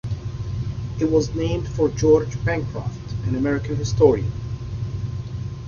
It was named for George Bancroft, an American historian.